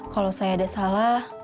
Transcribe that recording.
kalau saya ada salah